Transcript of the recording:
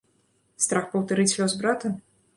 Страх паўтарыць лёс брата?